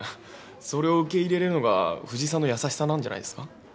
それを受け入れるのが藤井さんの優しさなんじゃないですか。